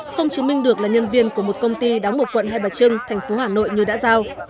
không chứng minh được là nhân viên của một công ty đóng ở quận hai bà trưng thành phố hà nội như đã giao